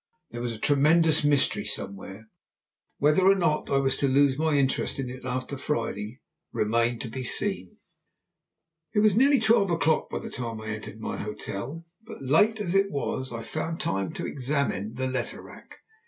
There was a tremendous mystery somewhere. Whether or not I was to lose my interest in it after Friday remained to be seen. It was nearly twelve o'clock by the time I entered my hotel; but late as it was I found time to examine the letter rack.